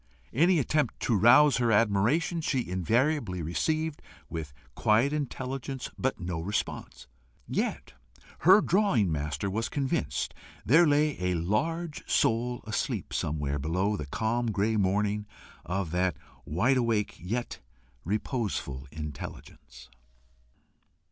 Any attempt to rouse her admiration, she invariably received with quiet intelligence but no response. Yet her drawing master was convinced there lay a large soul asleep somewhere below the calm grey morning of that wide awake yet reposeful intelligence.